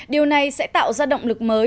điều này sẽ tạo ra động lực mới